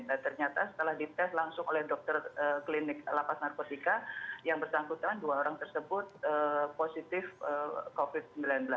dan ternyata setelah dites langsung oleh dokter klinik lapas narkotika yang bersangkutan dua orang tersebut positif covid sembilan belas